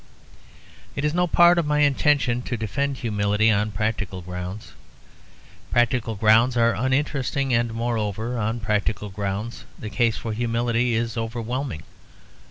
It is no part of my intention to defend humility on practical grounds. Practical grounds are uninteresting, and, moreover, on practical grounds the case for humility is overwhelming.